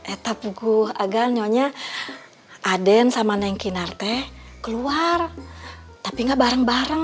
etap guh agal nyonya aden sama neng kinar teh keluar tapi nggak bareng bareng